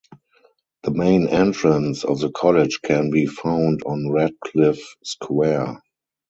The main entrance of the College can be found on Radcliffe Square.